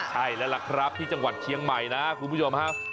ใช่แล้วล่ะครับที่จังหวัดเชียงใหม่นะคุณผู้ชมฮะ